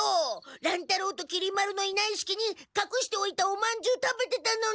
乱太郎ときり丸のいないすきにかくしておいたおまんじゅう食べてたのに！